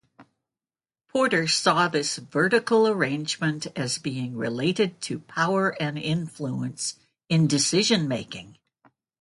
Porter saw this vertical arrangement as being related to power and influence in decision-making.